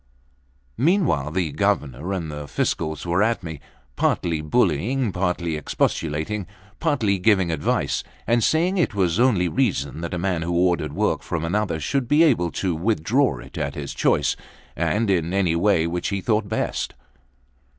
Meanwhile, the Governor and the Fiscal were at me, partly bullying, partly expostulating, partly giving advice, and saying it was only reason that a man who ordered work from another should be able to withdraw it at his choice, and in any way which he thought best.